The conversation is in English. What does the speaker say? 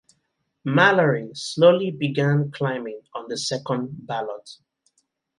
Mallory slowly began climbing on the second ballot.